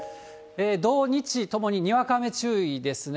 土日ともに、にわか雨注意ですね。